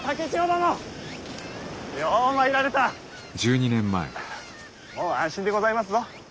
もう安心でございますぞ。